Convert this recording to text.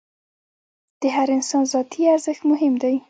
د هر انسان ذاتي ارزښت مهم دی.